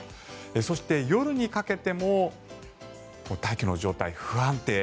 そして、夜にかけても大気の状態が不安定。